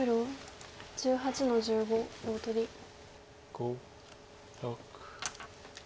５６。